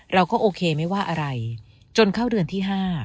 เราก็โอเคไม่ว่าอะไรจนเข้าเดือนที่๕